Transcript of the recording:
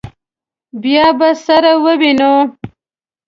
بیا به سره ووینو.